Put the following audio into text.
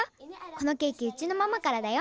このケーキうちのママからだよ。